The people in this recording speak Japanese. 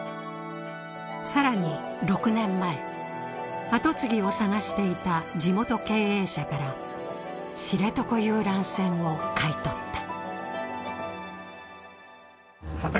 さらに６年前後継ぎを探していた地元経営者から知床遊覧船を買い取った。